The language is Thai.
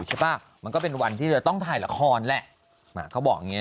ใช่ป่ะมันก็เป็นวันที่เราต้องถ่ายละครแหละเขาบอกอย่างเงี้